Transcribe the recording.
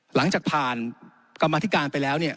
หลังจากผ่านกรรมธิการไปแล้วเนี่ย